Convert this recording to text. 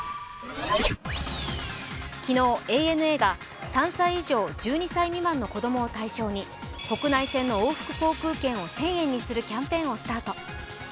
昨日、ＡＮＡが３歳以上１２歳未満の子供を対象に国内線の往復航空券を１０００円にするキャンペーンをスタート。